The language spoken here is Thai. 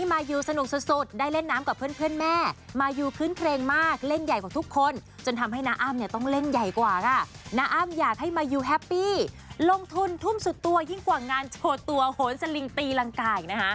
มายูนะคะมายูก็รักทุกคนค่ะสนุกมากวันนี้ค่ะ